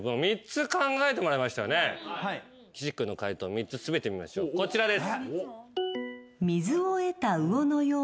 岸君の解答３つ全て見ましょうこちらです。